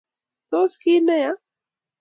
Tos ,kiit neya?